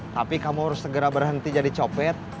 tapi kamu harus segera berhenti jadi copet